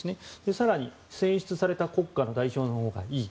更に、選出された国家の代表のほうがいい。